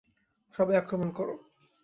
সবাই আক্রমণ কর।